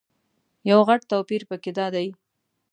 یو غټ توپیر په کې دادی.